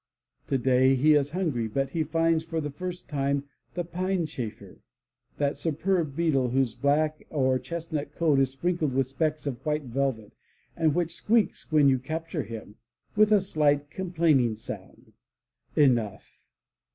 Today he is hungry, but he finds for the first time the pine chafer, that superb beetle whose black or chestnut coat is sprinkled with specks of white velvet, and which squeaks when you capture him, with a slight complaining sound. Enough!